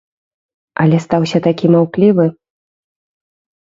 Але стаўся такі маўклівы.